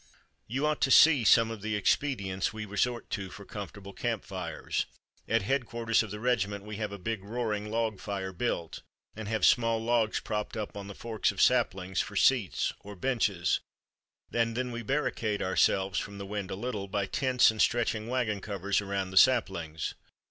"You ought to see some of the expedients we resort to for comfortable camp fires. At headquarters of the regiment we have a big roaring log fire built, and have small logs propped up on the forks of saplings for seats or benches, and then we barricade ourselves from the wind a little by tents and stretching wagon covers around the saplings....